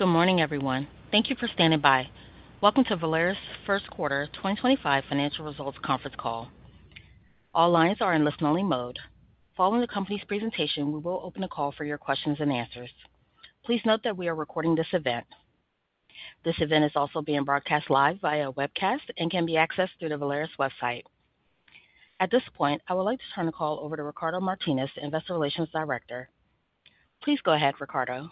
Good morning, everyone. Thank you for standing by. Welcome to Volaris' First Quarter 2025 Financial Results Conference Call. All lines are in listen-only mode. Following the company's presentation, we will open a call for your questions and answers. Please note that we are recording this event. This event is also being broadcast live via webcast and can be accessed through the Volaris website. At this point, I would like to turn the call over to Ricardo Martínez, Investor Relations Director. Please go ahead, Ricardo.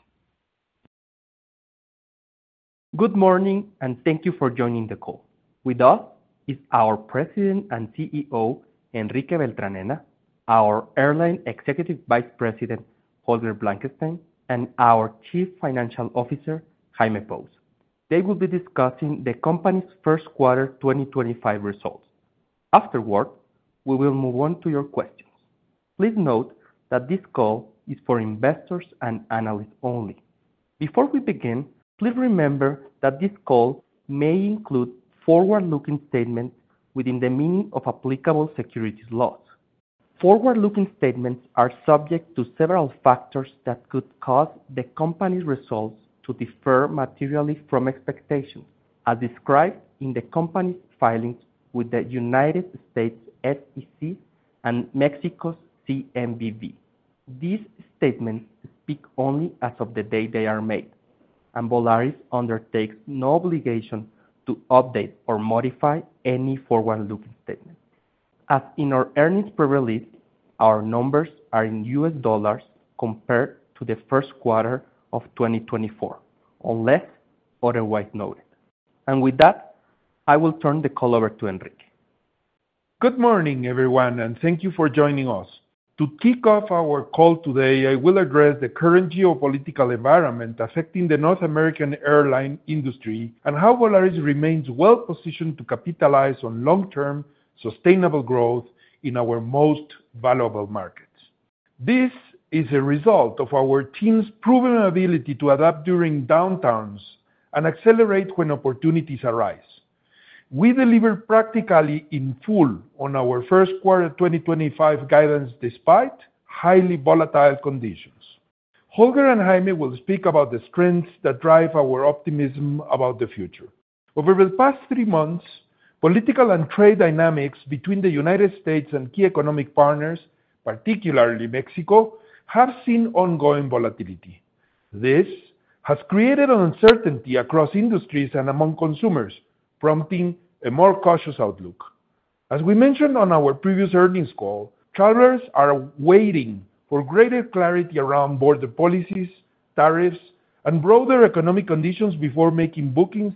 Good morning, and thank you for joining the call. With us is our President and CEO, Enrique Beltranena, our Airline Executive Vice President, Holger Blankenstein, and our Chief Financial Officer, Jaime Pous. They will be discussing the company's first quarter 2025 results. Afterward, we will move on to your questions. Please note that this call is for investors and analysts only. Before we begin, please remember that this call may include forward-looking statements within the meaning of applicable securities laws. Forward-looking statements are subject to several factors that could cause the company's results to differ materially from expectations, as described in the company's filings with the United States SEC and Mexico's CNBV. These statements speak only as of the day they are made, and Volaris undertakes no obligation to update or modify any forward-looking statement. As in our earnings per release, our numbers are in U.S., dollars compared to the first quarter of 2024, unless otherwise noted. With that, I will turn the call over to Enrique. Good morning, everyone, and thank you for joining us. To kick off our call today, I will address the current geopolitical environment affecting the North American airline industry and how Volaris remains well-positioned to capitalize on long-term sustainable growth in our most valuable markets. This is a result of our team's proven ability to adapt during downturns and accelerate when opportunities arise. We deliver practically in full on our first quarter 2025 guidance despite highly volatile conditions. Holger and Jaime will speak about the strengths that drive our optimism about the future. Over the past three months, political and trade dynamics between the U.S., and key economic partners, particularly Mexico, have seen ongoing volatility. This has created uncertainty across industries and among consumers, prompting a more cautious outlook. As we mentioned on our previous earnings call, travelers are waiting for greater clarity around border policies, tariffs, and broader economic conditions before making bookings.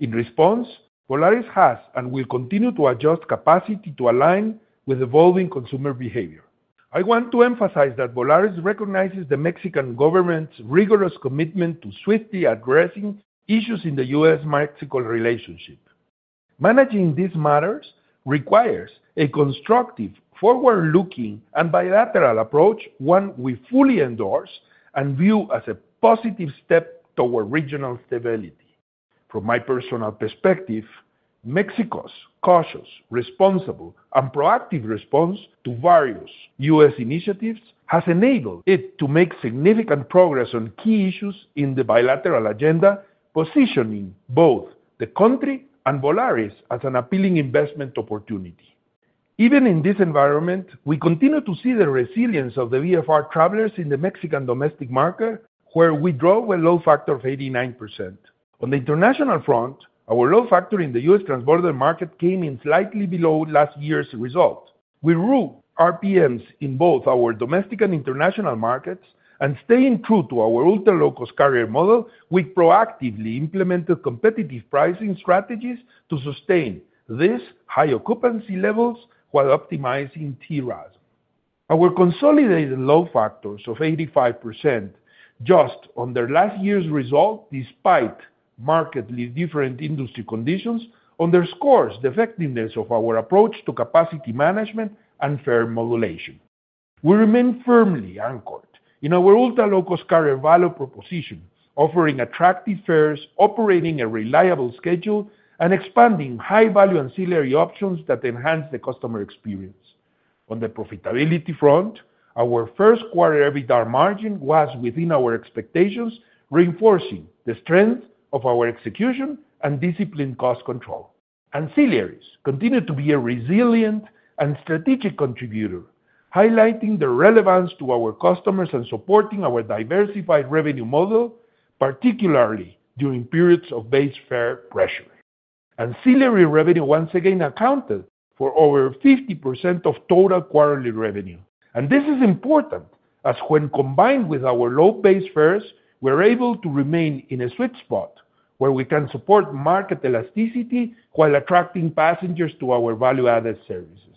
In response, Volaris has and will continue to adjust capacity to align with evolving consumer behavior. I want to emphasize that Volaris recognizes the Mexican government's rigorous commitment to swiftly addressing issues in the U.S.-Mexico relationship. Managing these matters requires a constructive, forward-looking, and bilateral approach, one we fully endorse and view as a positive step toward regional stability. From my personal perspective, Mexico's cautious, responsible, and proactive response to various U.S., initiatives has enabled it to make significant progress on key issues in the bilateral agenda, positioning both the country and Volaris as an appealing investment opportunity. Even in this environment, we continue to see the resilience of the VFR travelers in the Mexican domestic market, where we drove a load factor of 89%. On the international front, our load factor in the US transborder market came in slightly below last year's result. We grew RPMs in both our domestic and international markets, and staying true to our ultra-low-cost carrier model, we proactively implemented competitive pricing strategies to sustain these high occupancy levels while optimizing TRASM. Our consolidated load factors of 85% just under last year's result, despite markedly different industry conditions, underscore the effectiveness of our approach to capacity management and fare modulation. We remain firmly anchored in our ultra-low-cost carrier value proposition, offering attractive fares, operating a reliable schedule, and expanding high-value ancillary options that enhance the customer experience. On the profitability front, our first quarter EBITDA margin was within our expectations, reinforcing the strength of our execution and disciplined cost control. Ancillaries continue to be a resilient and strategic contributor, highlighting the relevance to our customers and supporting our diversified revenue model, particularly during periods of base fare pressure. Ancillary revenue once again accounted for over 50% of total quarterly revenue, and this is important as when combined with our low base fares, we're able to remain in a sweet spot where we can support market elasticity while attracting passengers to our value-added services.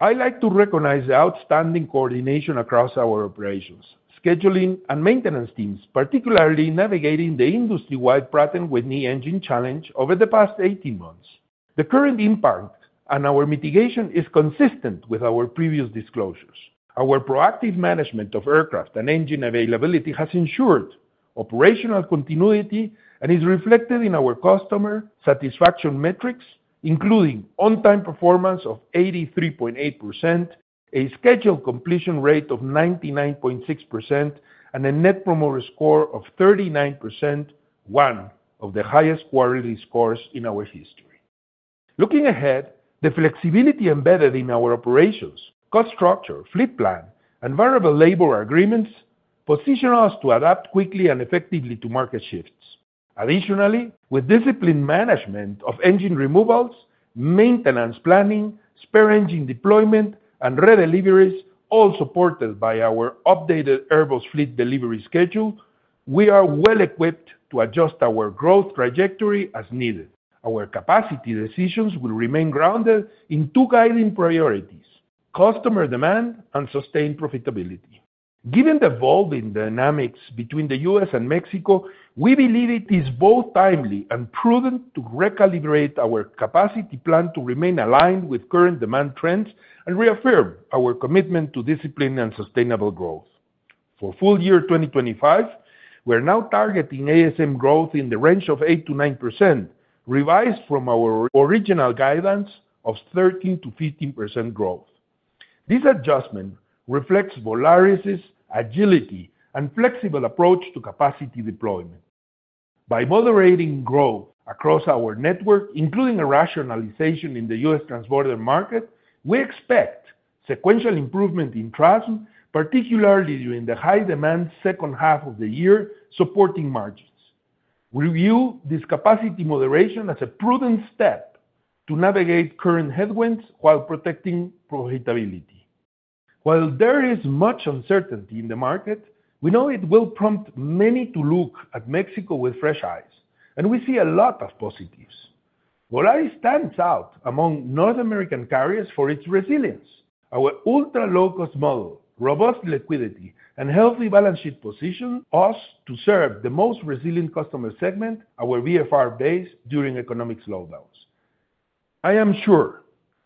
I'd like to recognize the outstanding coordination across our operations, scheduling, and maintenance teams, particularly navigating the industry-wide pattern with Pratt & Whitney engine challenge over the past 18 months. The current impact and our mitigation is consistent with our previous disclosures. Our proactive management of aircraft and engine availability has ensured operational continuity and is reflected in our customer satisfaction metrics, including on-time performance of 83.8%, a scheduled completion rate of 99.6%, and a net promoter score of 39%, one of the highest quarterly scores in our history. Looking ahead, the flexibility embedded in our operations, cost structure, fleet plan, and variable labor agreements positions us to adapt quickly and effectively to market shifts. Additionally, with disciplined management of engine removals, maintenance planning, spare engine deployment, and re-deliveries, all supported by our updated Airbus fleet delivery schedule, we are well-equipped to adjust our growth trajectory as needed. Our capacity decisions will remain grounded in two guiding priorities: customer demand and sustained profitability. Given the evolving dynamics between the U.S., and Mexico, we believe it is both timely and prudent to recalibrate our capacity plan to remain aligned with current demand trends and reaffirm our commitment to discipline and sustainable growth. For full year 2025, we're now targeting ASM growth in the range of 8%-9%, revised from our original guidance of 13%-15% growth. This adjustment reflects Volaris's agility and flexible approach to capacity deployment. By moderating growth across our network, including a rationalization in the U.S., transborder market, we expect sequential improvement in TRASM, particularly during the high-demand second half of the year, supporting margins. We view this capacity moderation as a prudent step to navigate current headwinds while protecting profitability. While there is much uncertainty in the market, we know it will prompt many to look at Mexico with fresh eyes, and we see a lot of positives. Volaris stands out among North American carriers for its resilience. Our ultra-low-cost model, robust liquidity, and healthy balance sheet position us to serve the most resilient customer segment, our VFR base, during economic slowdowns. I am sure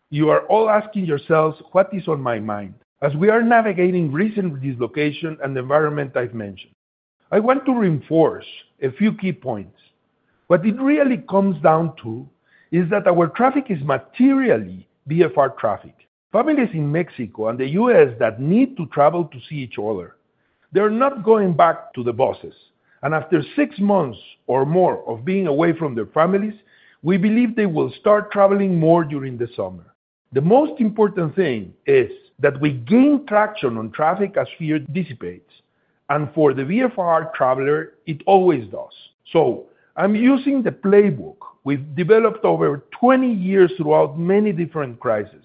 you are all asking yourselves what is on my mind as we are navigating recent dislocation and the environment I've mentioned. I want to reinforce a few key points. What it really comes down to is that our traffic is materially VFR traffic. Families in Mexico and the U.S., that need to travel to see each other, they're not going back to the buses, and after six months or more of being away from their families, we believe they will start traveling more during the summer. The most important thing is that we gain traction on traffic as fear dissipates, and for the VFR traveler, it always does. I'm using the playbook we've developed over 20 years throughout many different crises,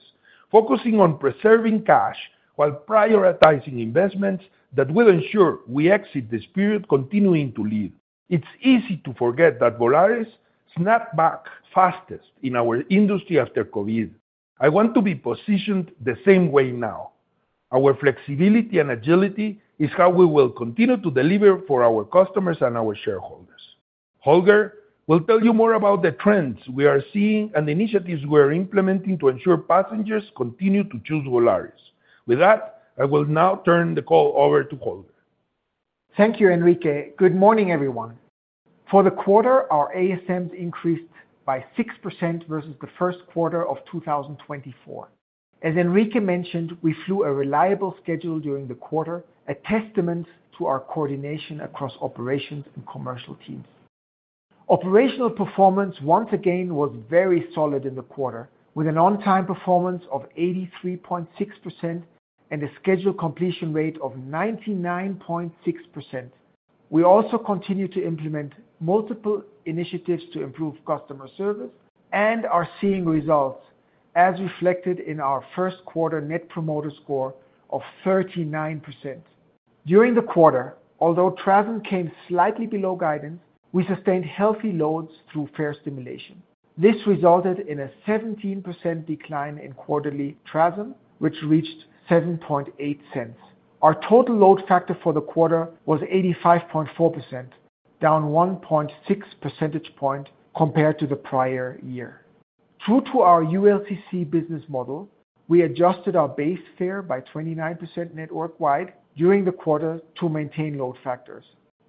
focusing on preserving cash while prioritizing investments that will ensure we exit this period continuing to live. It's easy to forget that Volaris snapped back fastest in our industry after COVID. I want to be positioned the same way now. Our flexibility and agility is how we will continue to deliver for our customers and our shareholders. Holger will tell you more about the trends we are seeing and initiatives we are implementing to ensure passengers continue to choose Volaris. With that, I will now turn the call over to Holger. Thank you, Enrique. Good morning, everyone. For the quarter, our ASMs increased by 6% versus the first quarter of 2024. As Enrique mentioned, we flew a reliable schedule during the quarter, a testament to our coordination across operations and commercial teams. Operational performance once again was very solid in the quarter, with an on-time performance of 83.6% and a scheduled completion rate of 99.6%. We also continue to implement multiple initiatives to improve customer service and are seeing results, as reflected in our first quarter Net Promoter Score of 39%. During the quarter, although TRASM came slightly below guidance, we sustained healthy loads through fare stimulation. This resulted in a 17% decline in quarterly TRASM, which reached 7.8 cents. Our total load factor for the quarter was 85.4%, down 1.6 percentage points compared to the prior year. True to our ULCC business model, we adjusted our base fare by 29% network-wide during the quarter to maintain load factors.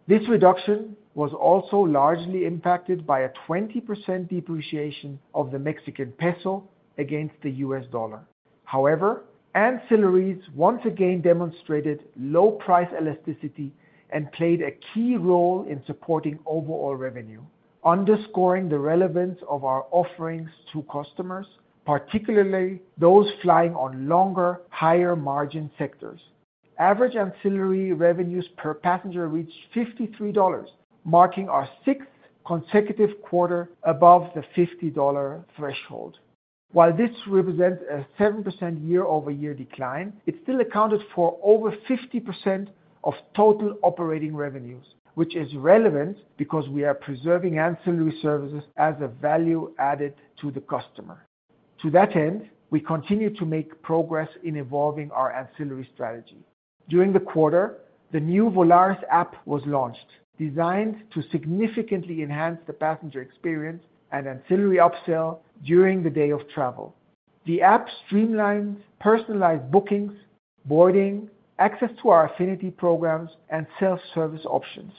This reduction was also largely impacted by a 20% depreciation of the Mexican peso against the U.S., dollar. However, ancillaries once again demonstrated low price elasticity and played a key role in supporting overall revenue, underscoring the relevance of our offerings to customers, particularly those flying on longer, higher margin sectors. Average ancillary revenues per passenger reached $53, marking our sixth consecutive quarter above the $50 threshold. While this represents a 7% year-over-year decline, it still accounted for over 50% of total operating revenues, which is relevant because we are preserving ancillary services as a value added to the customer. To that end, we continue to make progress in evolving our ancillary strategy. During the quarter, the new Volaris app was launched, designed to significantly enhance the passenger experience and ancillary upsell during the day of travel. The app streamlines personalized bookings, boarding, access to our affinity programs, and self-service options.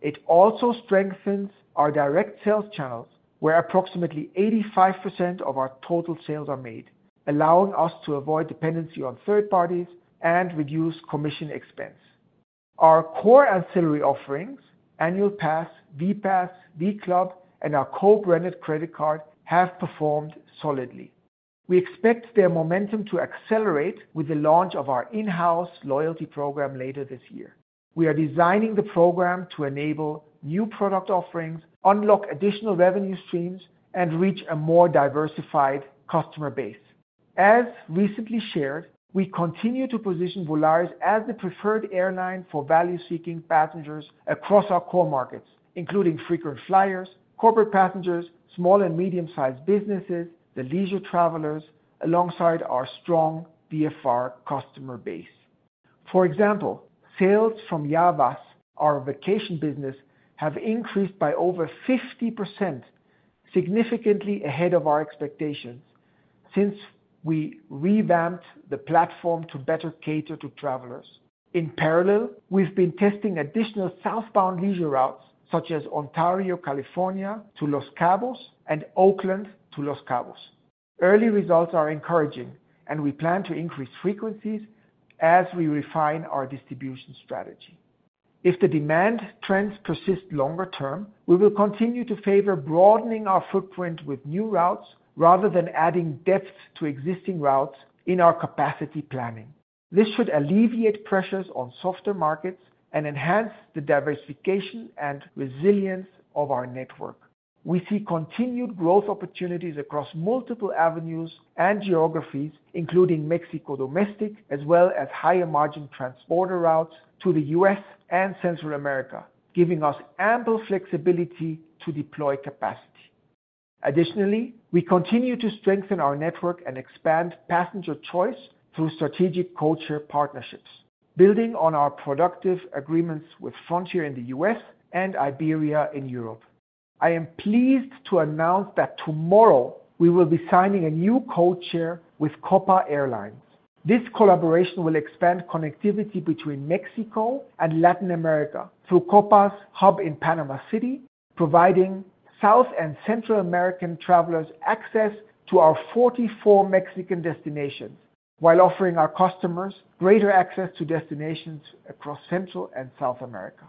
It also strengthens our direct sales channels, where approximately 85% of our total sales are made, allowing us to avoid dependency on third parties and reduce commission expense. Our core ancillary offerings, Annual Pass, VPass, VClub, and our co-branded credit card, have performed solidly. We expect their momentum to accelerate with the launch of our in-house loyalty program later this year. We are designing the program to enable new product offerings, unlock additional revenue streams, and reach a more diversified customer base. As recently shared, we continue to position Volaris as the preferred airline for value-seeking passengers across our core markets, including frequent flyers, corporate passengers, small and medium-sized businesses, and leisure travelers, alongside our strong VFR customer base. For example, sales from Ya Vas, our vacation business, have increased by over 50%, significantly ahead of our expectations since we revamped the platform to better cater to travelers. In parallel, we've been testing additional southbound leisure routes, such as Ontario, California, to Los Cabos, and Oakland, to Los Cabos. Early results are encouraging, and we plan to increase frequencies as we refine our distribution strategy. If the demand trends persist longer term, we will continue to favor broadening our footprint with new routes rather than adding depth to existing routes in our capacity planning. This should alleviate pressures on softer markets and enhance the diversification and resilience of our network. We see continued growth opportunities across multiple avenues and geographies, including Mexico domestic, as well as higher-margin transborder routes to the U.S. and Central America, giving us ample flexibility to deploy capacity. Additionally, we continue to strengthen our network and expand passenger choice through strategic codeshare partnerships, building on our productive agreements with Frontier in the U.S., and Iberia in Europe. I am pleased to announce that tomorrow we will be signing a new codeshare with Copa Airlines. This collaboration will expand connectivity between Mexico and Latin America through Copa's hub in Panama City, providing South and Central American travelers access to our 44 Mexican destinations, while offering our customers greater access to destinations across Central and South America.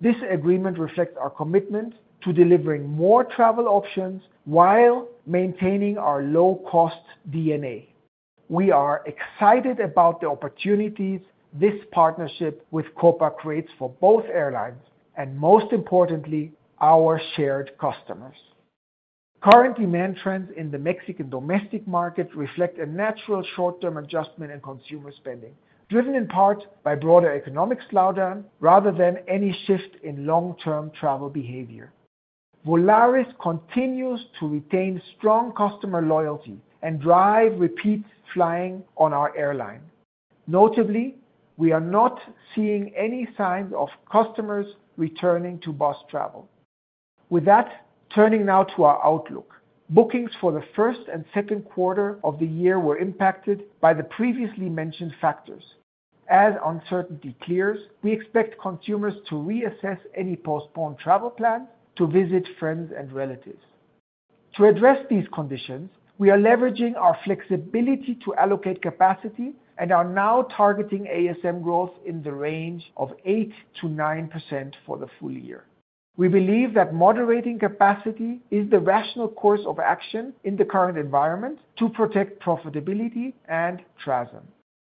This agreement reflects our commitment to delivering more travel options while maintaining our low-cost DNA. We are excited about the opportunities this partnership with Copa creates for both airlines and, most importantly, our shared customers. Current demand trends in the Mexican domestic market reflect a natural short-term adjustment in consumer spending, driven in part by broader economic slowdown rather than any shift in long-term travel behavior. Volaris continues to retain strong customer loyalty and drive repeat flying on our airline. Notably, we are not seeing any signs of customers returning to bus travel. With that, turning now to our outlook. Bookings for the first and second quarter of the year were impacted by the previously mentioned factors. As uncertainty clears, we expect consumers to reassess any postponed travel plans to visit friends and relatives. To address these conditions, we are leveraging our flexibility to allocate capacity and are now targeting ASM growth in the range of 8%-9% for the full year. We believe that moderating capacity is the rational course of action in the current environment to protect profitability and TRASM.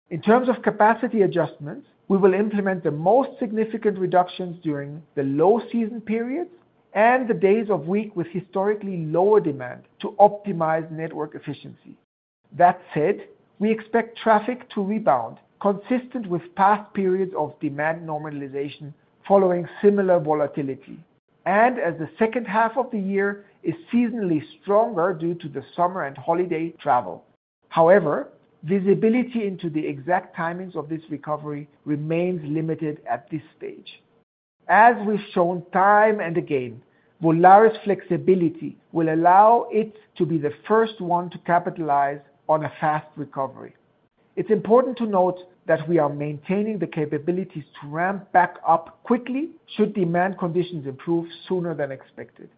In terms of capacity adjustments, we will implement the most significant reductions during the low season periods and the days of week with historically lower demand to optimize network efficiency. That said, we expect traffic to rebound, consistent with past periods of demand normalization following similar volatility, and as the second half of the year is seasonally stronger due to the summer and holiday travel. However, visibility into the exact timings of this recovery remains limited at this stage. As we've shown time and again, Volaris' flexibility will allow it to be the first one to capitalize on a fast recovery. It's important to note that we are maintaining the capabilities to ramp back up quickly should demand conditions improve sooner than expected.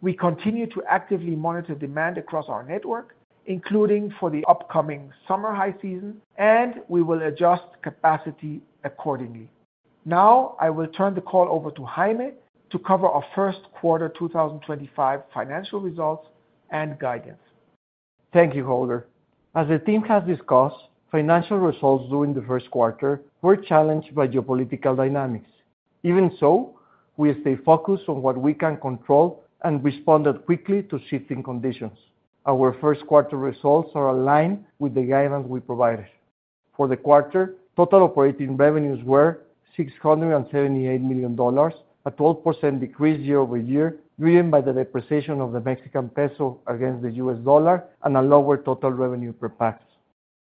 We continue to actively monitor demand across our network, including for the upcoming summer high season, and we will adjust capacity accordingly. Now, I will turn the call over to Jaime to cover our first quarter 2025 financial results and guidance. Thank you, Holger. As the team has discussed, financial results during the first quarter were challenged by geopolitical dynamics. Even so, we stay focused on what we can control and responded quickly to shifting conditions. Our first quarter results are aligned with the guidance we provided. For the quarter, total operating revenues were $678 million, a 12% decrease year over year, driven by the depreciation of the Mexican peso against the U.S., dollar and a lower total revenue per pax.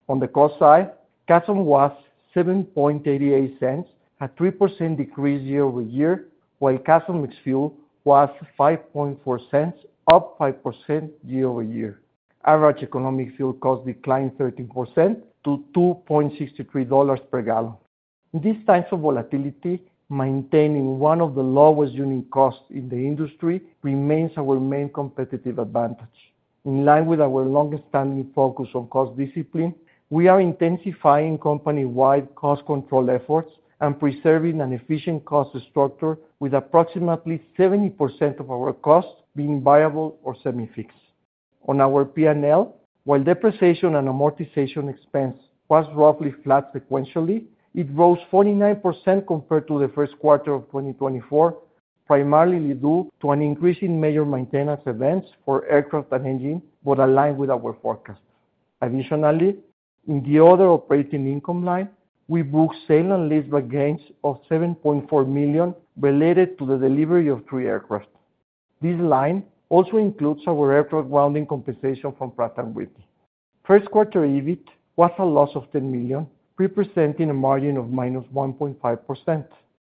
On the cost side, CASM was $7.88, a 3% decrease year over year, while CASM mixed fuel was $5.4, up 5% year over year. Average economic fuel cost declined 13% to $2.63 per gallon. In these times of volatility, maintaining one of the lowest unit costs in the industry remains our main competitive advantage. In line with our longstanding focus on cost discipline, we are intensifying company-wide cost control efforts and preserving an efficient cost structure, with approximately 70% of our costs being variable or semi-fixed. On our P&L, while depreciation and amortization expense was roughly flat sequentially, it rose 49% compared to the first quarter of 2024, primarily due to an increase in major maintenance events for aircraft and engine, but aligned with our forecast. Additionally, in the other operating income line, we booked sale and lease gains of $7.4 million related to the delivery of three aircraft. This line also includes our aircraft grounding compensation from Pratt & Whitney. First quarter EBIT was a loss of $10 million, representing a margin of minus 1.5%.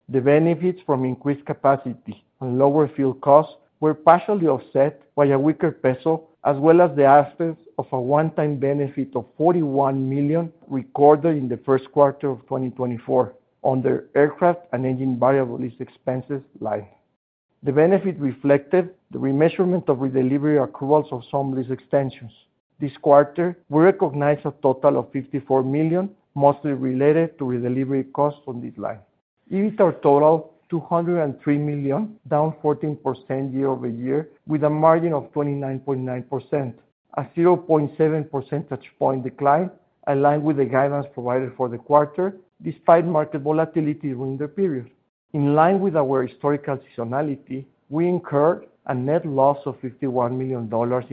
The benefits from increased capacity and lower fuel costs were partially offset by a weaker peso, as well as the absence of a one-time benefit of $41 million recorded in the first quarter of 2024 under aircraft and engine variable lease expenses line. The benefit reflected the remeasurement of re-delivery accruals of some lease extensions. This quarter, we recognized a total of $54 million, mostly related to re-delivery costs on this line. EBITDA totaled $203 million, down 14% year over year, with a margin of 29.9%, a 0.7 percentage point decline, aligned with the guidance provided for the quarter, despite market volatility during the period. In line with our historical seasonality, we incurred a net loss of $51 million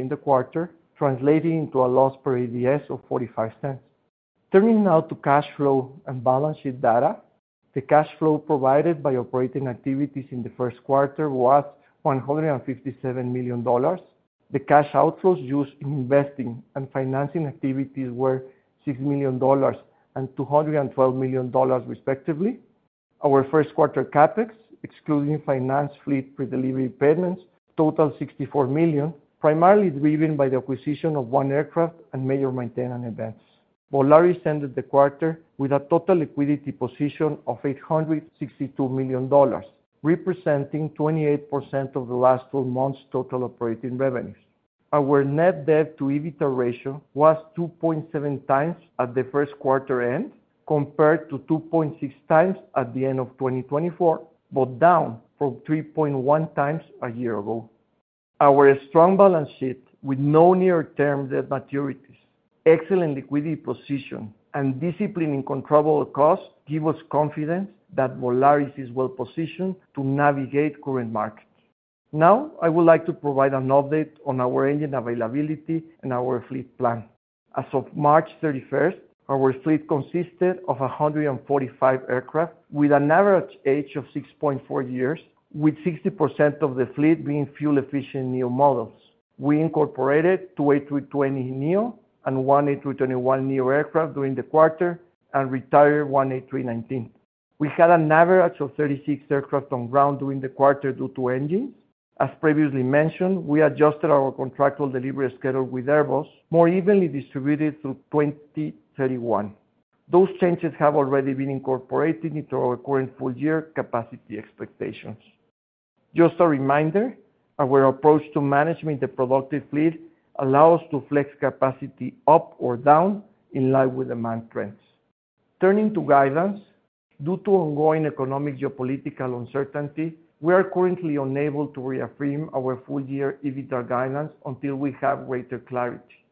in the quarter, translating into a loss per ADS of $0.45. Turning now to cash flow and balance sheet data, the cash flow provided by operating activities in the first quarter was $157 million. The cash outflows used in investing and financing activities were $6 million and $212 million, respectively. Our first quarter CapEx, excluding finance, fleet, pre-delivery payments, totaled $64 million, primarily driven by the acquisition of one aircraft and major maintenance events. Volaris ended the quarter with a total liquidity position of $862 million, representing 28% of the last 12 months' total operating revenues. Our net debt-to-EBITDA ratio was 2.7 times at the first quarter end, compared to 2.6 times at the end of 2024, but down from 3.1 times a year ago. Our strong balance sheet, with no near-term debt maturities, excellent liquidity position, and discipline in controllable costs give us confidence that Volaris is well-positioned to navigate current markets. Now, I would like to provide an update on our engine availability and our fleet plan. As of March 31, our fleet consisted of 145 aircraft, with an average age of 6.4 years, with 60% of the fleet being fuel-efficient NEO models. We incorporated two A320 NEO and one A321 NEO aircraft during the quarter and retired one A319. We had an average of 36 aircraft on ground during the quarter due to engines. As previously mentioned, we adjusted our contractual delivery schedule with Airbus, more evenly distributed through 2031. Those changes have already been incorporated into our current full-year capacity expectations. Just a reminder, our approach to management in the productive fleet allows us to flex capacity up or down in line with demand trends. Turning to guidance, due to ongoing economic geopolitical uncertainty, we are currently unable to reaffirm our full-year EBITDA guidance until we have greater clarity.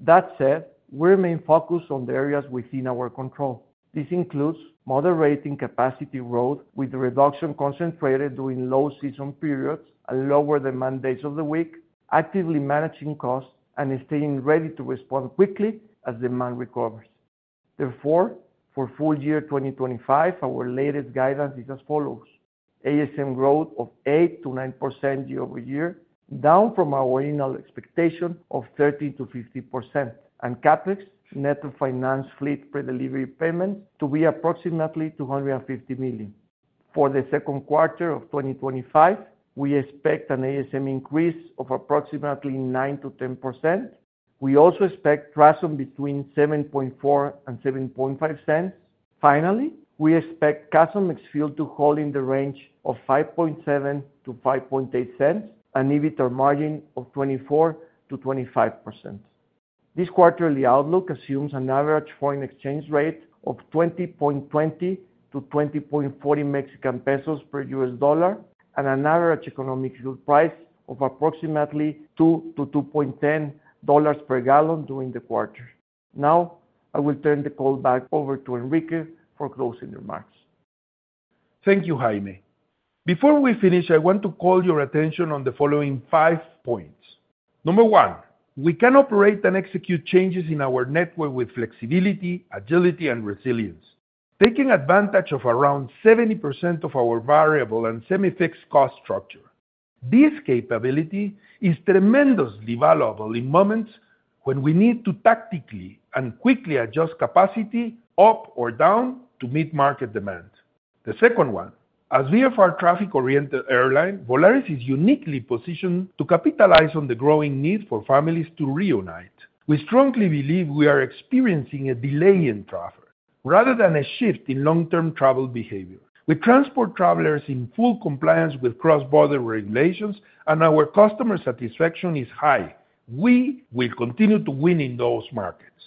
That said, we remain focused on the areas within our control. This includes moderating capacity growth, with reduction concentrated during low season periods and lower demand days of the week, actively managing costs, and staying ready to respond quickly as demand recovers. Therefore, for full-year 2025, our latest guidance is as follows: ASM growth of 8%-9% year over year, down from our annual expectation of 30%-50%, and CapEx, net to finance, fleet, pre-delivery payments to be approximately $250 million. For the second quarter of 2025, we expect an ASM increase of approximately 9%-10%. We also expect TRASM between $7.4-$7.5. Finally, we expect CASM mixed fuel to hold in the range of $5.7-$5.8 and EBITDA margin of 24%-25%. This quarterly outlook assumes an average foreign exchange rate of 20.20-20.40 Mexican pesos per U.S., dollar and an average economic fuel price of approximately $2-$2.10 per gallon during the quarter. Now, I will turn the call back over to Enrique for closing remarks. Thank you, Jaime. Before we finish, I want to call your attention on the following five points. Number one, we can operate and execute changes in our network with flexibility, agility, and resilience, taking advantage of around 70% of our variable and semi-fixed cost structure. This capability is tremendously valuable in moments when we need to tactically and quickly adjust capacity up or down to meet market demand. The second one, as we are a traffic-oriented airline, Volaris is uniquely positioned to capitalize on the growing need for families to reunite. We strongly believe we are experiencing a delay in travel rather than a shift in long-term travel behavior. With transport travelers in full compliance with cross-border regulations and our customer satisfaction is high, we will continue to win in those markets.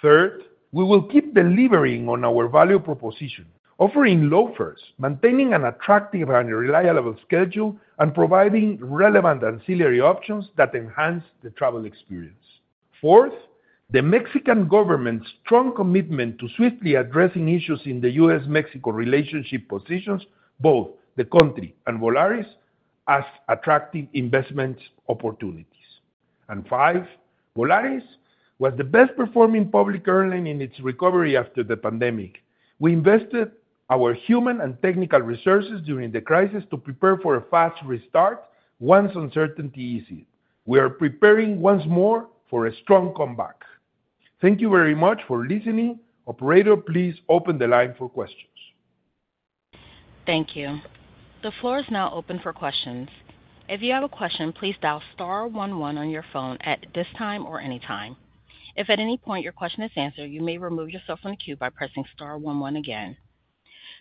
Third, we will keep delivering on our value proposition, offering low fares, maintaining an attractive and reliable schedule, and providing relevant ancillary options that enhance the travel experience. Fourth, the Mexican government's strong commitment to swiftly addressing issues in the U.S.-Mexico relationship positions both the country and Volaris as attractive investment opportunities. Fifth, Volaris was the best-performing public airline in its recovery after the pandemic. We invested our human and technical resources during the crisis to prepare for a fast restart once uncertainty eased. We are preparing once more for a strong comeback. Thank you very much for listening. Operator, please open the line for questions. Thank you. The floor is now open for questions. If you have a question, please dial * 11 on your phone at this time or any time. If at any point your question is answered, you may remove yourself from the queue by pressing * 11 again.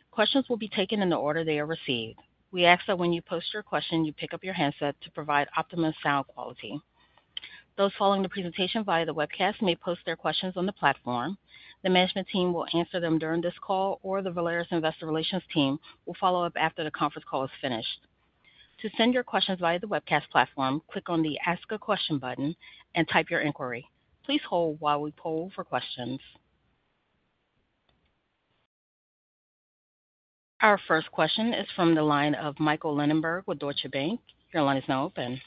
Questions will be taken in the order they are received. We ask that when you post your question, you pick up your handset to provide optimum sound quality. Those following the presentation via the webcast may post their questions on the platform. The management team will answer them during this call, or the Volaris Investor Relations team will follow up after the conference call is finished. To send your questions via the webcast platform, click on the Ask a Question button and type your inquiry. Please hold while we poll for questions. Our first question is from the line of Michael Linenberg with Deutsche Bank. Your line is now open.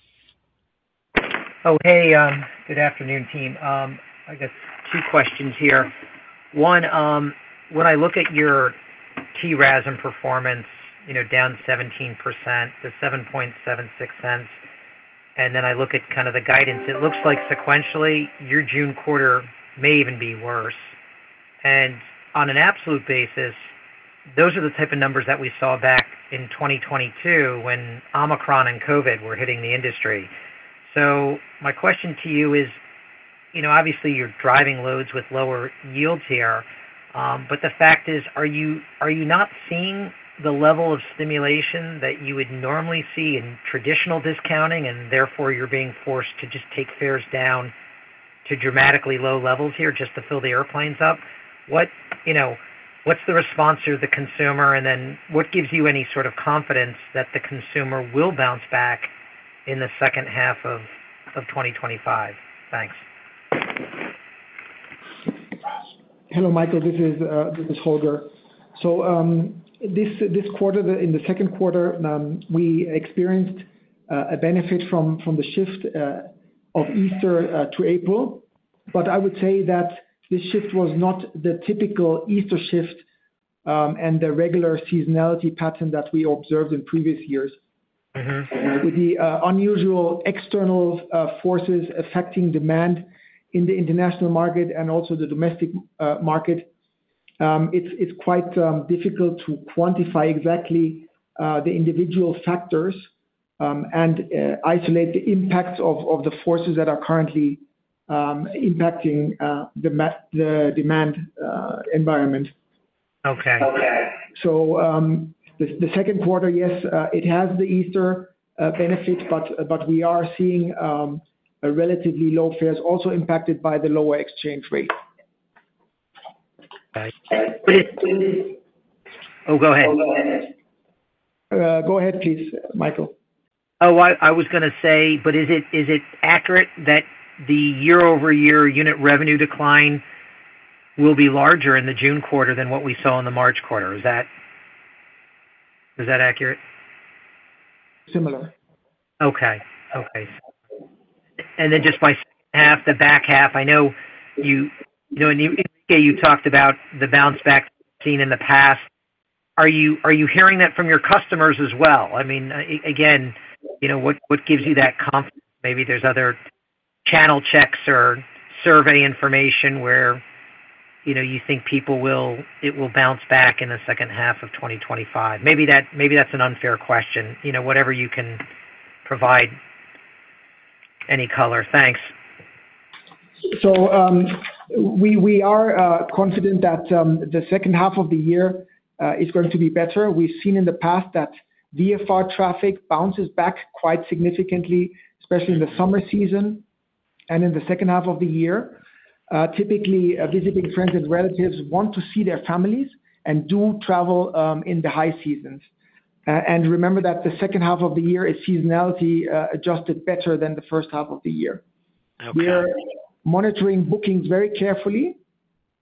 Oh, hey, good afternoon, team. I guess two questions here. One, when I look at your TRASM performance, down 17% to $7.76, and then I look at kind of the guidance, it looks like sequentially your June quarter may even be worse. On an absolute basis, those are the type of numbers that we saw back in 2022 when Omicron and COVID were hitting the industry. My question to you is, obviously, you're driving loads with lower yields here, but the fact is, are you not seeing the level of stimulation that you would normally see in traditional discounting, and therefore you're being forced to just take fares down to dramatically low levels here just to fill the airplanes up? What's the response of the consumer, and then what gives you any sort of confidence that the consumer will bounce back in the second half of 2025? Thanks. Hello, Michael. This is Holger. This quarter, in the second quarter, we experienced a benefit from the shift of Easter to April, but I would say that this shift was not the typical Easter shift and the regular seasonality pattern that we observed in previous years. With the unusual external forces affecting demand in the international market and also the domestic market, it's quite difficult to quantify exactly the individual factors and isolate the impacts of the forces that are currently impacting the demand environment. The second quarter, yes, it has the Easter benefit, but we are seeing relatively low fares also impacted by the lower exchange rate. Go ahead. Go ahead, please, Michael. Oh, I was going to say, but is it accurate that the year-over-year unit revenue decline will be larger in the June quarter than what we saw in the March quarter? Is that accurate? Similar. Okay. Okay. And then just by second half, the back half, I know in the beginning you talked about the bounce-back seen in the past. Are you hearing that from your customers as well? I mean, again, what gives you that confidence? Maybe there's other channel checks or survey information where you think it will bounce back in the second half of 2025. Maybe that's an unfair question. Whatever you can provide any color. Thanks. We are confident that the second half of the year is going to be better. We've seen in the past that VFR traffic bounces back quite significantly, especially in the summer season and in the second half of the year. Typically, visiting friends and relatives want to see their families and do travel in the high seasons. Remember that the second half of the year is seasonality adjusted better than the first half of the year. We're monitoring bookings very carefully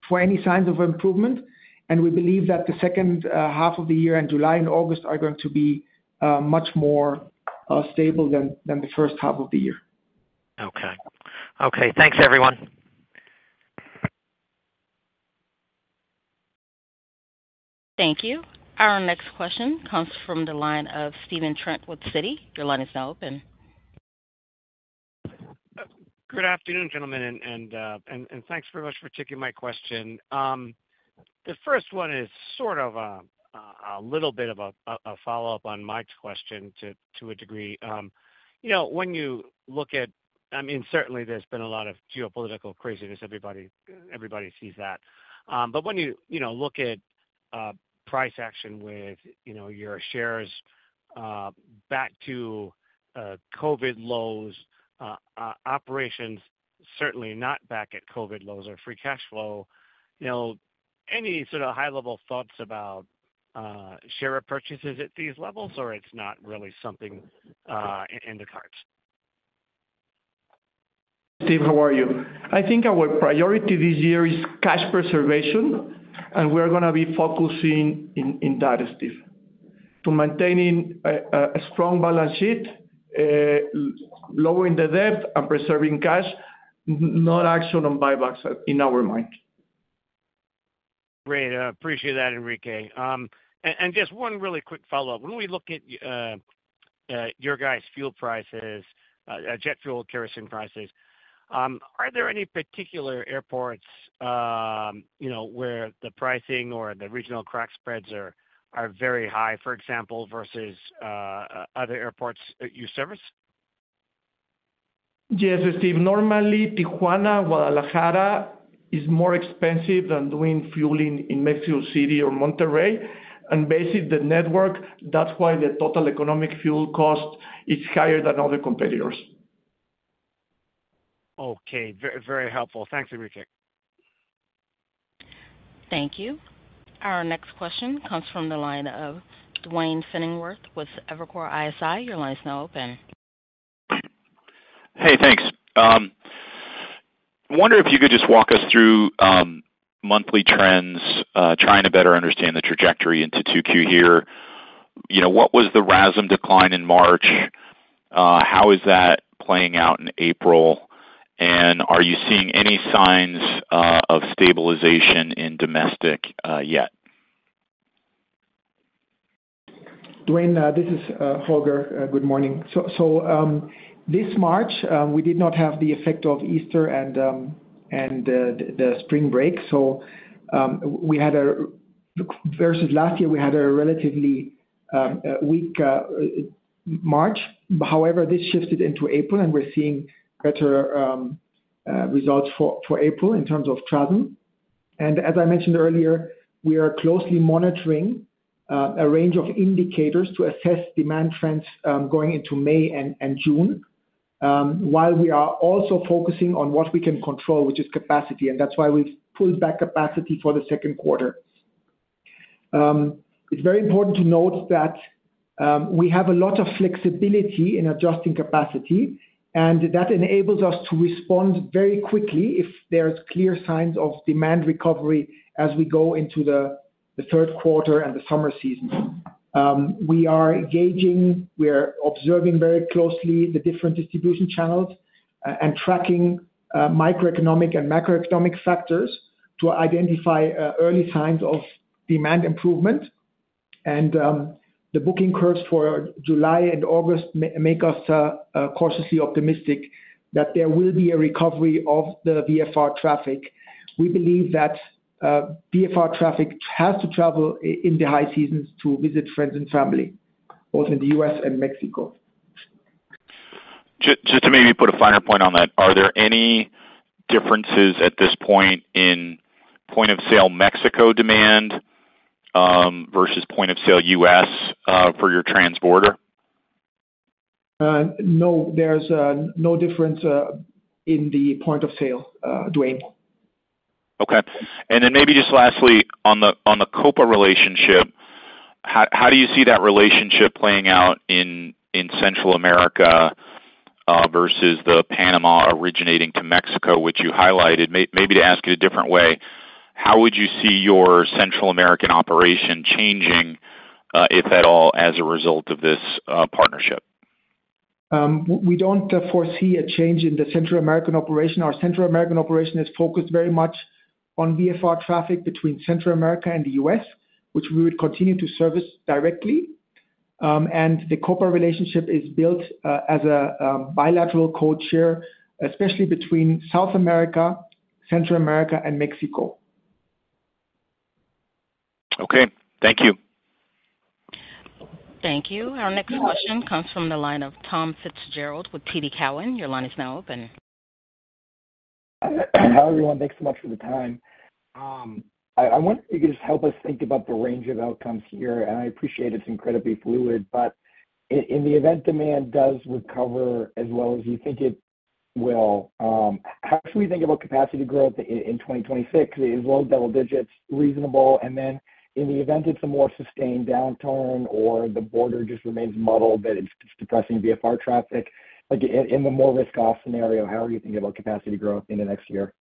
for any signs of improvement, and we believe that the second half of the year and July and August are going to be much more stable than the first half of the year. Okay. Thanks, everyone. Thank you. Our next question comes from the line of Stephen Trent with Citi. Your line is now open. Good afternoon, gentlemen, and thanks very much for taking my question. The first one is sort of a little bit of a follow-up on Mike's question to a degree. When you look at, I mean, certainly there's been a lot of geopolitical craziness. Everybody sees that. When you look at price action with your shares back to COVID lows, operations certainly not back at COVID lows or free cash flow, any sort of high-level thoughts about share purchases at these levels, or it's not really something in the cards? Steve, how are you? I think our priority this year is cash preservation, and we're going to be focusing in that, Stephen Trent. To maintaining a strong balance sheet, lowering the debt, and preserving cash, no action on buybacks in our mind. Great. Appreciate that, Enrique. Just one really quick follow-up. When we look at your guys' fuel prices, jet fuel kerosene prices, are there any particular airports where the pricing or the regional crack spreads are very high, for example, versus other airports you service? Yes, Stephen Trent. Normally, Tijuana, Guadalajara is more expensive than doing fueling in Mexico City or Monterrey. Basically, the network, that's why the total economic fuel cost is higher than other competitors. Okay. Very helpful. Thanks, Enrique. Thank you. Our next question comes from the line of Duane Pfennigwerth with Evercore ISI. Your line is now open. Hey, thanks. I wonder if you could just walk us through monthly trends, trying to better understand the trajectory into Q2 here. What was the RASM decline in March? How is that playing out in April? Are you seeing any signs of stabilization in domestic yet? Duane Pfennigwerth, this is Holger. Good morning. This March, we did not have the effect of Easter and the spring break. We had a versus last year, we had a relatively weak March. However, this shifted into April, and we are seeing better results for April in terms of TRASM. As I mentioned earlier, we are closely monitoring a range of indicators to assess demand trends going into May and June, while we are also focusing on what we can control, which is capacity. That is why we have pulled back capacity for the second quarter. It is very important to note that we have a lot of flexibility in adjusting capacity, and that enables us to respond very quickly if there are clear signs of demand recovery as we go into the third quarter and the summer season. We are gauging, we're observing very closely the different distribution channels and tracking microeconomic and macroeconomic factors to identify early signs of demand improvement. The booking curves for July and August make us cautiously optimistic that there will be a recovery of the VFR traffic. We believe that VFR traffic has to travel in the high seasons to visit friends and family, both in the U.S., and Mexico. Just to maybe put a final point on that, are there any differences at this point in point of sale Mexico demand versus point of sale U.S., for your transborder? No, there's no difference in the point of sale, Duane Pfennigwerth. Okay. Maybe just lastly, on the Copa relationship, how do you see that relationship playing out in Central America versus the Panama originating to Mexico, which you highlighted? Maybe to ask it a different way, how would you see your Central American operation changing, if at all, as a result of this partnership? We do not foresee a change in the Central American operation. Our Central American operation is focused very much on VFR traffic between Central America and the U.S., which we would continue to service directly. The Copa relationship is built as a bilateral codeshare, especially between South America, Central America, and Mexico. Okay. Thank you. Thank you. Our next question comes from the line of Thomas Fitzgerald with TD Cowen. Your line is now open. Hi, everyone. Thanks so much for the time. I wonder if you could just help us think about the range of outcomes here. I appreciate it's incredibly fluid, but in the event demand does recover as well as you think it will, how should we think about capacity growth in 2026? Is low double digits reasonable? In the event it's a more sustained downturn or the border just remains muddled, that it's depressing VFR traffic, in the more risk-off scenario, how are you thinking about capacity growth in the next year?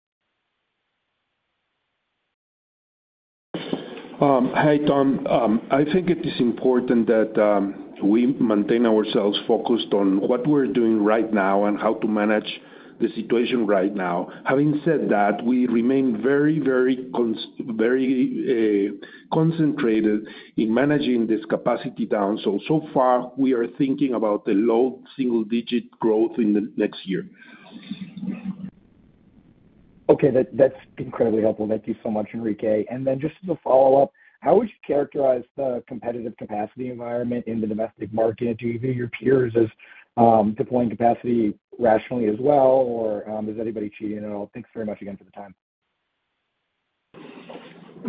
Hi, Tom. I think it is important that we maintain ourselves focused on what we're doing right now and how to manage the situation right now. Having said that, we remain very, very concentrated in managing this capacity down. So far, we are thinking about the low single-digit growth in the next year. Okay. That's incredibly helpful. Thank you so much, Enrique. Then just as a follow-up, how would you characterize the competitive capacity environment in the domestic market? Do you view your peers as deploying capacity rationally as well, or is anybody cheating at all? Thanks very much again for the time.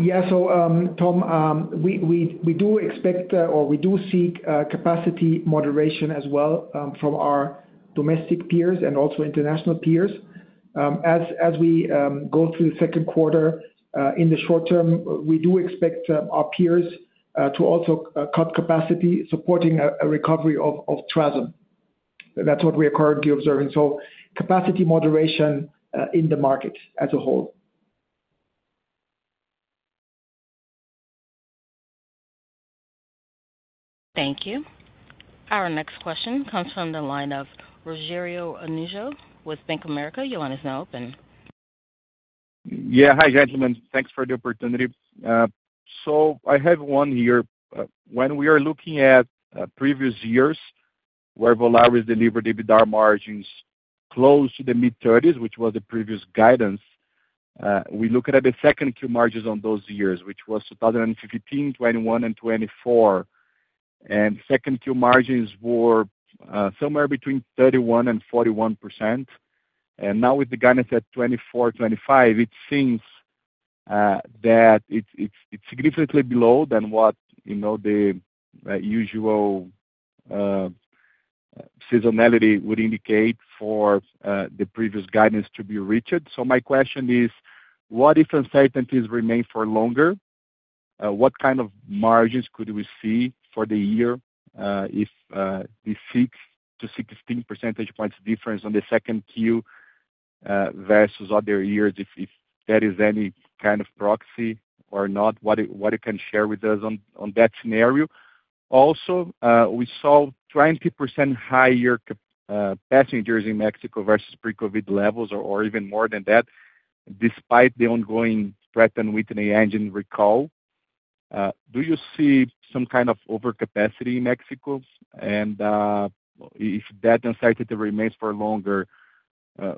Yeah. Tom, we do expect or we do seek capacity moderation as well from our domestic peers and also international peers. As we go through the second quarter, in the short term, we do expect our peers to also cut capacity supporting a recovery of TRASM. That is what we are currently observing. Capacity moderation in the market as a whole. Thank you. Our next question comes from the line of Rogério Araújo with Bank of America. Your line is now open. Yeah. Hi, gentlemen. Thanks for the opportunity. I have one here. When we are looking at previous years where Volaris delivered EBITDA margins close to the mid-30s, which was the previous guidance, we look at the second quarter margins on those years, which was 2015, 2021, and 2024. Second quarter margins were somewhere between 31% and 41%. Now with the guidance at 2024, 2025, it seems that it's significantly below what the usual seasonality would indicate for the previous guidance to be reached. My question is, what if uncertainties remain for longer? What kind of margins could we see for the year if the 6 to 16 percentage points difference on the second quarter versus other years, if that is any kind of proxy or not? What you can share with us on that scenario. Also, we saw 20% higher passengers in Mexico versus pre-COVID levels or even more than that, despite the ongoing threat and weakening engine recall. Do you see some kind of overcapacity in Mexico? If that uncertainty remains for longer,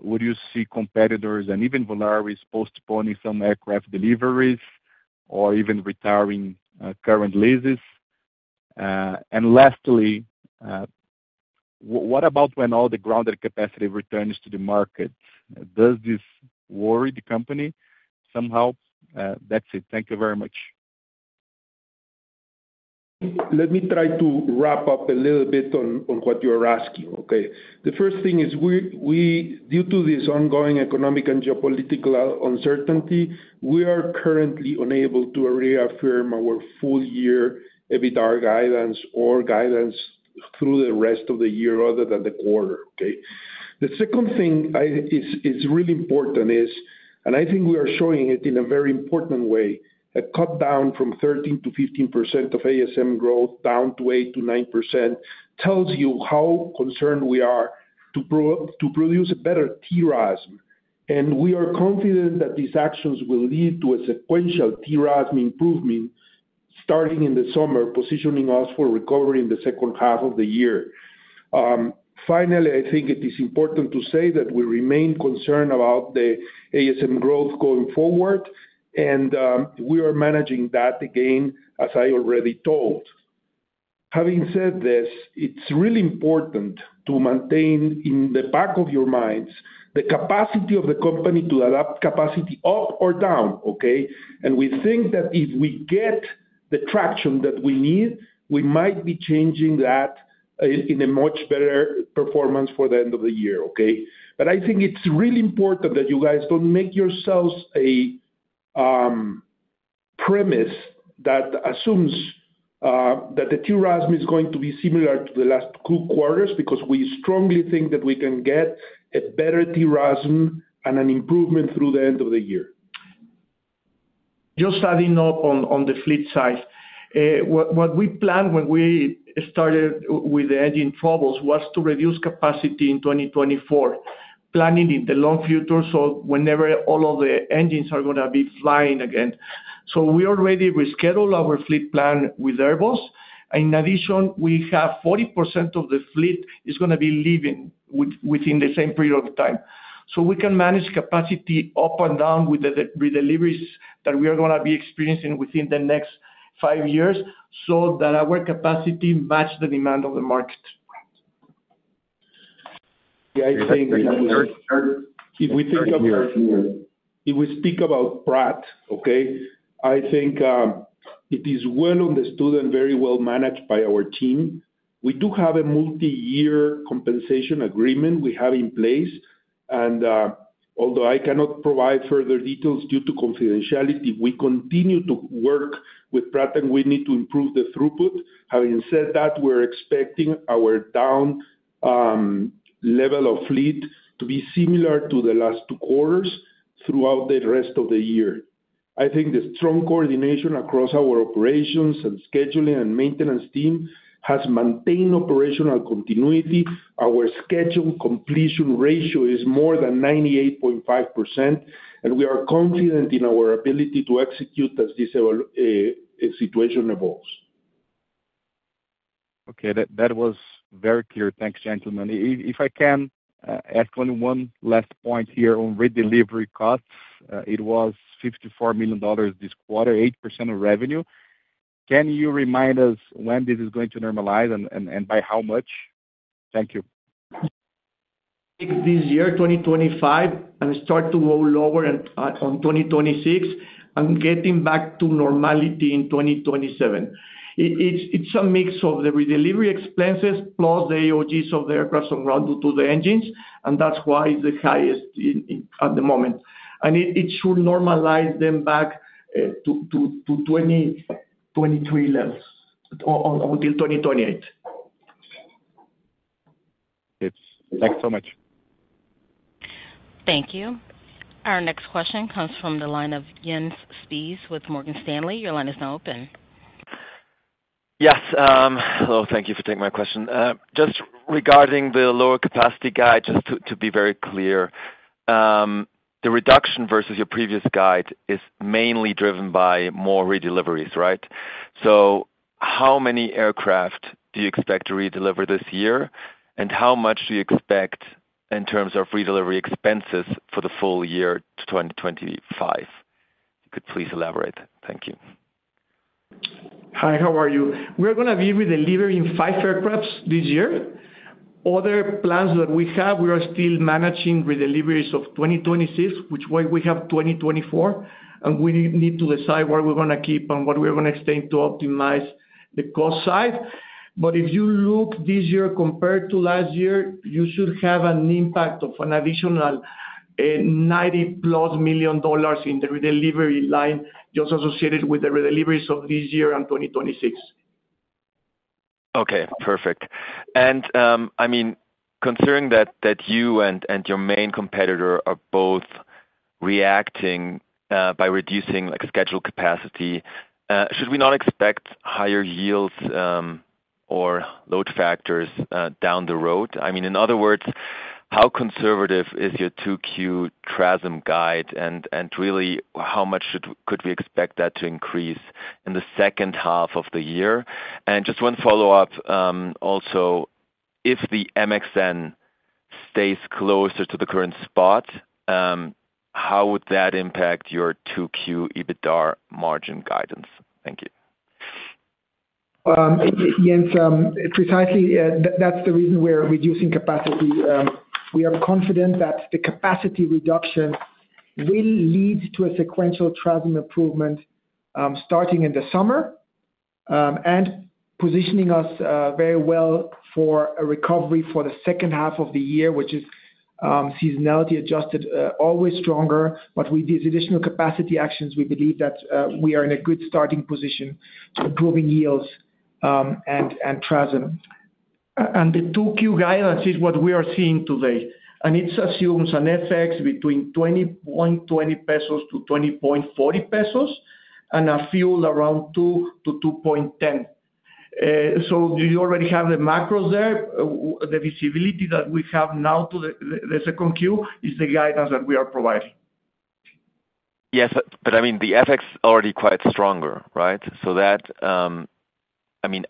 would you see competitors and even Volaris postponing some aircraft deliveries or even retiring current leases? Lastly, what about when all the grounded capacity returns to the market? Does this worry the company somehow? That's it. Thank you very much. Let me try to wrap up a little bit on what you are asking, okay? The first thing is, due to this ongoing economic and geopolitical uncertainty, we are currently unable to reaffirm our full-year EBITDA guidance or guidance through the rest of the year other than the quarter, okay? The second thing is really important is, and I think we are showing it in a very important way, a cut down from 13-15% of ASM growth down to 8-9% tells you how concerned we are to produce a better TRASM. We are confident that these actions will lead to a sequential TRASM improvement starting in the summer, positioning us for recovery in the second half of the year. Finally, I think it is important to say that we remain concerned about the ASM growth going forward, and we are managing that again, as I already told. Having said this, it's really important to maintain in the back of your minds the capacity of the company to adapt capacity up or down, okay? We think that if we get the traction that we need, we might be changing that in a much better performance for the end of the year, okay? I think it's really important that you guys don't make yourselves a premise that assumes that the TRASM is going to be similar to the last two quarters because we strongly think that we can get a better TRASM and an improvement through the end of the year. Just adding up on the fleet side, what we planned when we started with the engine troubles was to reduce capacity in 2024, planning in the long future, so whenever all of the engines are going to be flying again. We already rescheduled our fleet plan with Airbus. In addition, we have 40% of the fleet is going to be leaving within the same period of time. We can manage capacity up and down with the redeliveries that we are going to be experiencing within the next five years so that our capacity matches the demand of the market. Yeah, I think if we think of your, if we speak about Pratt, okay, I think it is well understood and very well managed by our team. We do have a multi-year compensation agreement we have in place. Although I cannot provide further details due to confidentiality, we continue to work with Pratt & Whitney to improve the throughput. Having said that, we're expecting our down level of fleet to be similar to the last two quarters throughout the rest of the year. I think the strong coordination across our operations and scheduling and maintenance team has maintained operational continuity. Our scheduled completion ratio is more than 98.5%, and we are confident in our ability to execute as this situation evolves. Okay. That was very clear. Thanks, gentlemen. If I can ask only one last point here on redelivery costs, it was $54 million this quarter, 8% of revenue. Can you remind us when this is going to normalize and by how much? Thank you. This year, 2025, and start to go lower on 2026 and getting back to normality in 2027. It's a mix of the redelivery expenses plus the AOGs of the aircraft on ground due to the engines, and that's why it's the highest at the moment. It should normalize then back to 2023 levels until 2028. Thanks so much. Thank you. Our next question comes from the line of Jens Spiess with Morgan Stanley. Your line is now open. Yes. Hello. Thank you for taking my question. Just regarding the lower capacity guide, just to be very clear, the reduction versus your previous guide is mainly driven by more redeliveries, right? So how many aircraft do you expect to redeliver this year, and how much do you expect in terms of redelivery expenses for the full year to 2025? If you could please elaborate. Thank you. Hi, how are you? We're going to be redelivering five aircraft this year. Other plans that we have, we are still managing redeliveries of 2026, which we have 2024, and we need to decide what we're going to keep and what we're going to extend to optimize the cost side. If you look this year compared to last year, you should have an impact of an additional $90 plus million in the redelivery line just associated with the redeliveries of this year and 2026. Okay. Perfect. I mean, considering that you and your main competitor are both reacting by reducing scheduled capacity, should we not expect higher yields or load factors down the road? I mean, in other words, how conservative is your 2Q TRASM guide, and really, how much could we expect that to increase in the second half of the year? Just one follow-up also, if the MXN stays closer to the current spot, how would that impact your 2Q EBITDA margin guidance? Thank you. Jens Spiess, precisely, that is the reason we are reducing capacity. We are confident that the capacity reduction will lead to a sequential TRASM improvement starting in the summer and positioning us very well for a recovery for the second half of the year, which is seasonality adjusted always stronger. With these additional capacity actions, we believe that we are in a good starting position to improving yields and TRASM. The 2Q guidance is what we are seeing today. It assumes an FX between 20.20 pesos to 20.40 pesos and a fuel around $2 to $2.10. You already have the macros there. The visibility that we have now to the second Q is the guidance that we are providing. Yes. I mean, the FX is already quite stronger, right?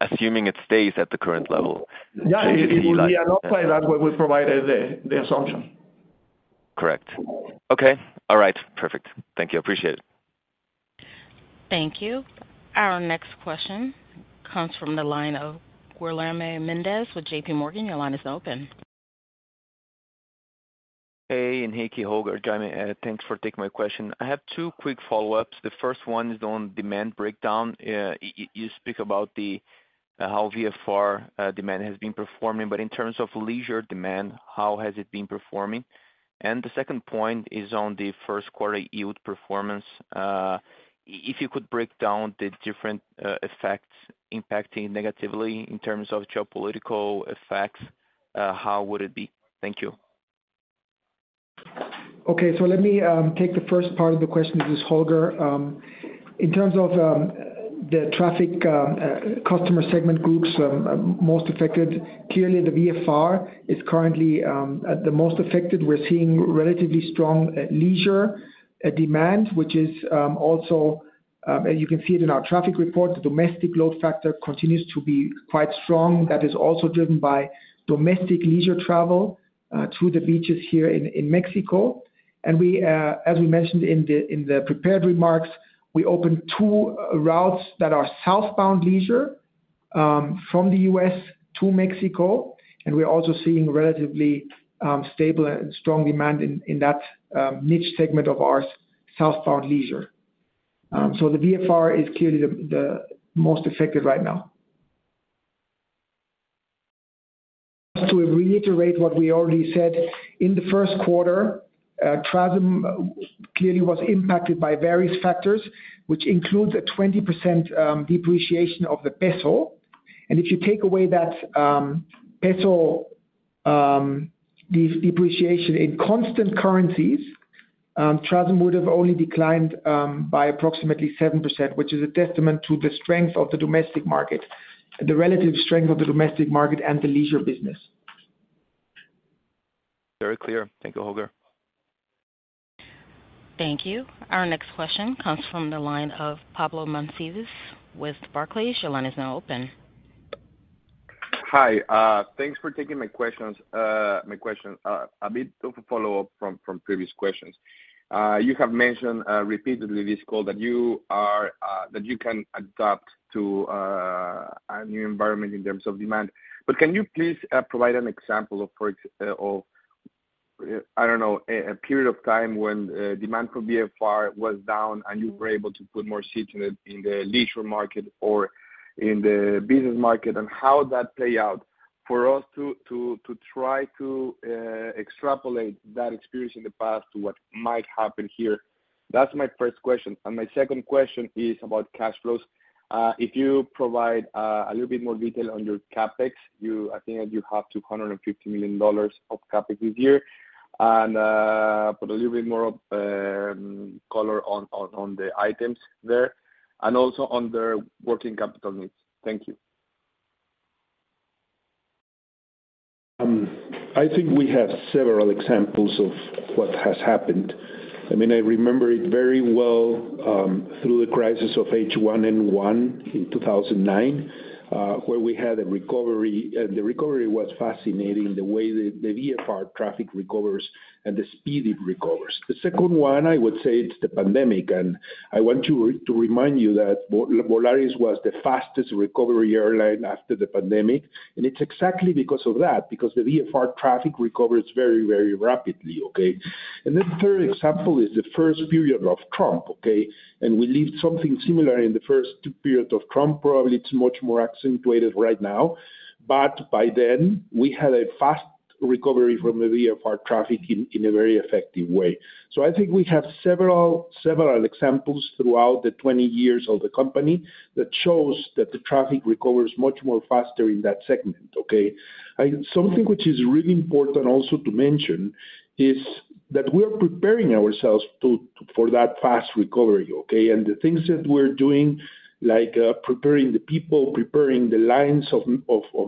Assuming it stays at the current level, it will be an upside when we provide the assumption. Correct. Okay. All right. Perfect. Thank you. Appreciate it. Thank you. Our next question comes from the line of Guilherme Mendes with JPMorgan. Your line is now open. Hey, Enrique, Holger. Thanks for taking my question. I have two quick follow-ups. The first one is on demand breakdown. You speak about how VFR demand has been performing, but in terms of leisure demand, how has it been performing? The second point is on the first-quarter yield performance. If you could break down the different effects impacting negatively in terms of geopolitical effects, how would it be? Thank you. Okay. Let me take the first part of the question, Ms. Holger. In terms of the traffic customer segment groups most affected, clearly, the VFR is currently the most affected. We're seeing relatively strong leisure demand, which is also, you can see it in our traffic report, the domestic load factor continues to be quite strong. That is also driven by domestic leisure travel to the beaches here in Mexico. As we mentioned in the prepared remarks, we opened two routes that are southbound leisure from the U.S., to Mexico, and we're also seeing relatively stable and strong demand in that niche segment of our southbound leisure. The VFR is clearly the most affected right now. To reiterate what we already said, in the first quarter, TRASM clearly was impacted by various factors, which includes a 20% depreciation of the peso. If you take away that peso depreciation in constant currencies, TRASM would have only declined by approximately 7%, which is a testament to the strength of the domestic market, the relative strength of the domestic market and the leisure business. Very clear. Thank you, Holger. Thank you. Our next question comes from the line of Pablo Monsivais with Barclays. Your line is now open. Hi. Thanks for taking my questions. A bit of a follow-up from previous questions. You have mentioned repeatedly this call that you can adapt to a new environment in terms of demand. Can you please provide an example of, I don't know, a period of time when demand for VFR was down and you were able to put more seats in the leisure market or in the business market, and how that played out for us to try to extrapolate that experience in the past to what might happen here? That's my first question. My second question is about cash flows. If you provide a little bit more detail on your CapEx, I think that you have $250 million of CapEx this year. Put a little bit more color on the items there and also on the working capital needs. Thank you. I think we have several examples of what has happened. I mean, I remember it very well through the crisis of H1N1 in 2009, where we had a recovery. The recovery was fascinating, the way the VFR traffic recovers and the speed it recovers. The second one, I would say, it's the pandemic. I want to remind you that Volaris was the fastest recovery airline after the pandemic. It's exactly because of that, because the VFR traffic recovers very, very rapidly, okay? The third example is the first period of Trump, okay? We lived something similar in the first period of Trump. Probably it's much more accentuated right now. By then, we had a fast recovery from the VFR traffic in a very effective way. I think we have several examples throughout the 20 years of the company that shows that the traffic recovers much more faster in that segment, okay? Something which is really important also to mention is that we are preparing ourselves for that fast recovery, okay? The things that we're doing, like preparing the people, preparing the lines of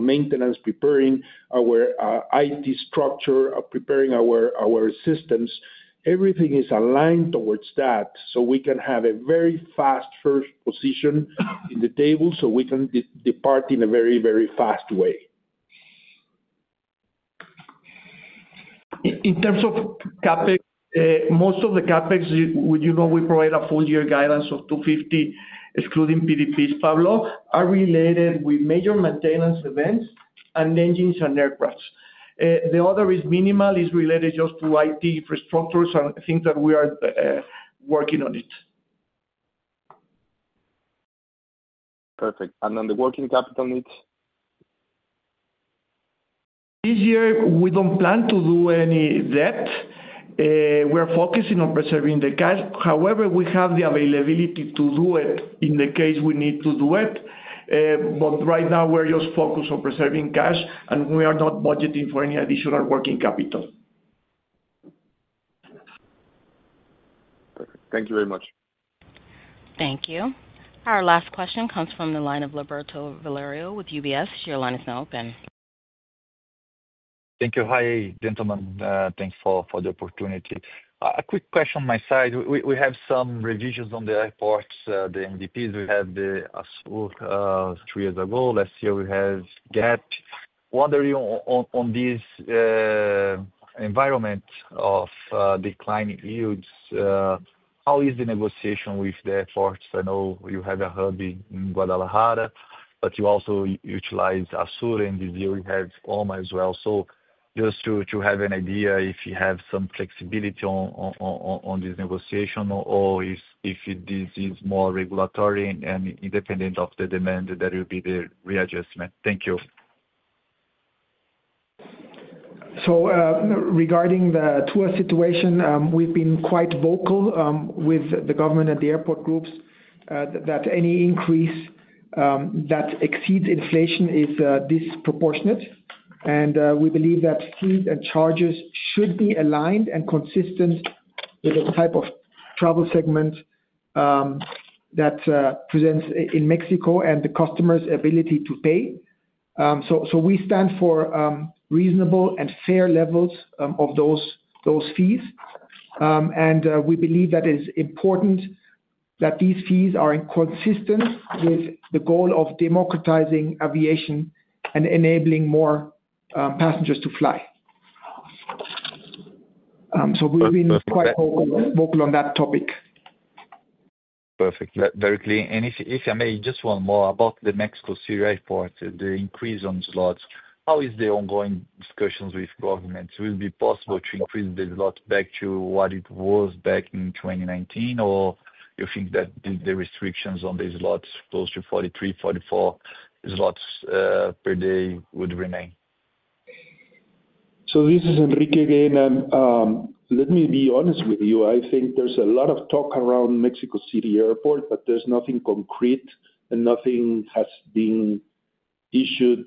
maintenance, preparing our IT structure, preparing our systems, everything is aligned towards that so we can have a very fast first position in the table so we can depart in a very, very fast way. In terms of CapEx, most of the CapEx, we provide a full-year guidance of $250 million, excluding PDPs, Pablo, are related with major maintenance events and engines and aircraft. The other is minimal. It's related just to IT infrastructures and things that we are working on it. Perfect. And then the working capital needs? This year, we don't plan to do any debt. We are focusing on preserving the cash. However, we have the availability to do it in the case we need to do it. Right now, we're just focused on preserving cash, and we are not budgeting for any additional working capital. Perfect. Thank you very much. Thank you. Our last question comes from the line of Alberto Valerio with UBS. Your line is now open. Thank you. Hi, gentlemen. Thanks for the opportunity. A quick question on my side. We have some revisions on the airports, the MDPs. We had the ASUR three years ago. Last year, we had GAP. Wondering on this environment of declining yields, how is the negotiation with the airports? I know you have a hub in Guadalajara, but you also utilize ASUR, and this year you have OMA as well. Just to have an idea if you have some flexibility on this negotiation or if this is more regulatory and independent of the demand that will be the readjustment. Thank you. Regarding the TUA situation, we've been quite vocal with the government and the airport groups that any increase that exceeds inflation is disproportionate. We believe that fees and charges should be aligned and consistent with the type of travel segment that presents in Mexico and the customer's ability to pay. We stand for reasonable and fair levels of those fees. We believe that it is important that these fees are consistent with the goal of democratizing aviation and enabling more passengers to fly. We've been quite vocal on that topic. Perfect. Very clear. If I may, just one more about the Mexico City Airport, the increase on slots. How is the ongoing discussions with governments? Will it be possible to increase the slot back to what it was back in 2019, or do you think that the restrictions on the slots, close to 43-44 slots per day, would remain? This is Enrique again. Let me be honest with you. I think there's a lot of talk around Mexico City Airport, but there's nothing concrete and nothing has been issued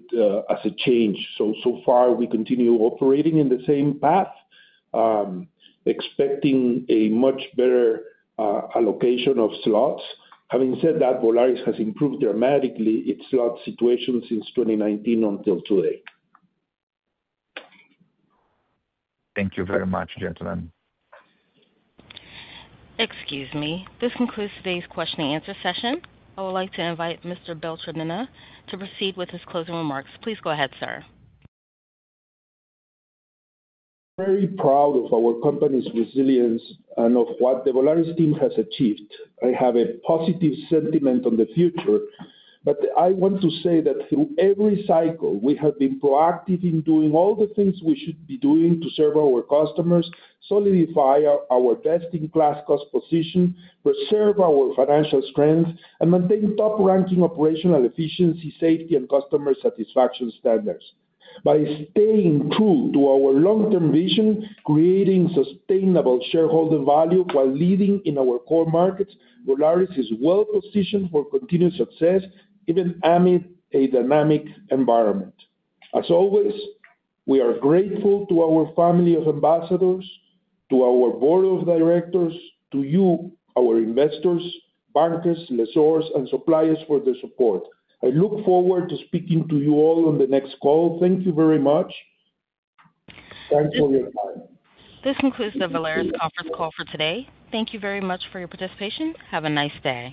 as a change. So far, we continue operating in the same path, expecting a much better allocation of slots. Having said that, Volaris has improved dramatically its slot situation since 2019 until today. Thank you very much, gentlemen. Excuse me. This concludes today's question-and-answer session. I would like to invite Mr. Beltranena to proceed with his closing remarks. Please go ahead, sir. Very proud of our company's resilience and of what the Volaris team has achieved. I have a positive sentiment on the future, but I want to say that through every cycle, we have been proactive in doing all the things we should be doing to serve our customers, solidify our best-in-class cost position, preserve our financial strength, and maintain top-ranking operational efficiency, safety, and customer satisfaction standards. By staying true to our long-term vision, creating sustainable shareholder value while leading in our core markets, Volaris is well-positioned for continued success, even amid a dynamic environment. As always, we are grateful to our family of ambassadors, to our board of directors, to you, our investors, bankers, lessors, and suppliers for the support. I look forward to speaking to you all on the next call. Thank you very much. Thanks for your time. This concludes the Volaris conference call for today. Thank you very much for your participation. Have a nice day.